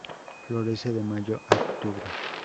Florece de mayo a octubre.